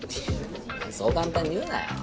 そう簡単に言うなよ。